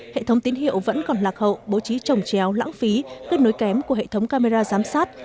hệ thống tín hiệu vẫn còn lạc hậu bố trí trồng chéo lãng phí kết nối kém của hệ thống camera giám sát